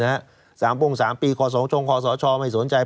นะฮะสามปุ่งสามปีขอสองชงขอสอชอไม่สนใจ